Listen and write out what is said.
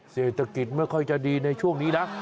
เศรษฐกิจไม่ค่อยจะดีในช่วงนี้นะ